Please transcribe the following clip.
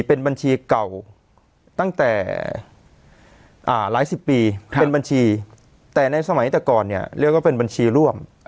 เป็นบัญชีเก่าตั้งแต่หลายสิบปีเป็นบัญชีแต่ในสมัยแต่ก่อนเนี่ยเรียกว่าเป็นบัญชีร่วม